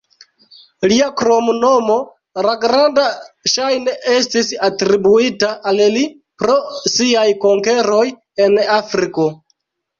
Lia kromnomo, "La Granda", ŝajne estis atribuita al li pro siaj konkeroj en Afriko.